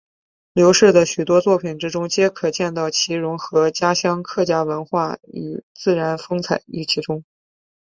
刘氏的许多作品之中皆可见到其融合家乡客家文化与自然风采于其中。